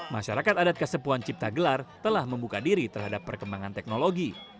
masyarakat adat kesepuan cipta gelar telah membuka diri terhadap perkembangan teknologi